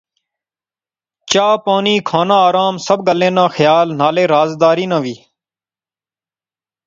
چاء پانی، کھانا آرام۔۔۔ سب گلیں ناں خیال۔ نالے رازداری ناں وی